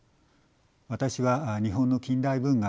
私は日本の近代文学